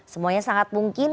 semuanya sangat mungkin